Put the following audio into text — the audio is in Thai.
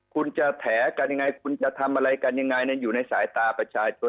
คุณจะแถกันยังไงคุณจะทำอะไรกันยังไงอยู่ในสายตาประชาชน